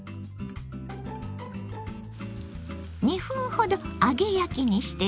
２分ほど揚げ焼きにしてね。